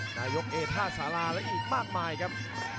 นายกเอท่าสาราและอีกมากมายครับ